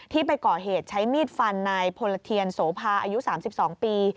ไปก่อเหตุใช้มีดฟันนายพลเทียนโสภาอายุ๓๒ปี